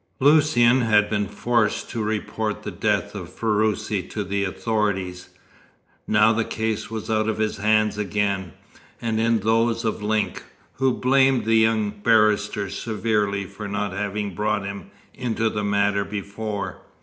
Lucian had been forced to report the death of Ferruci to the authorities. Now the case was out of his hands again, and in those of Link, who blamed the young barrister severely for not having brought him into the matter before.